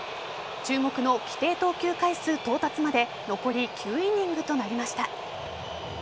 注目の規定投球回数到達まで残り９イニングとなりました。